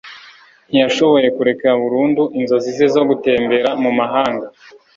ntiyashoboye kureka burundu inzozi ze zo gutembera mu mahanga